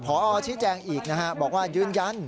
ผอชิ้นแจงอีกบอกว่ายืนยัน